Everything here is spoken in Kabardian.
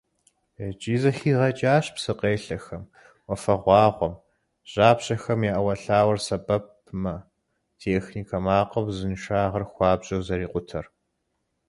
ИкӀи зэхигъэкӀащ псыкъелъэхэм, уафэгъуагъуэм, жьапщэхэм я Ӏэуэлъауэр сэбэпмэ, техникэ макъым узыншагъэр хуабжьу зэрикъутэр.